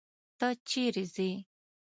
ته چيري ځې.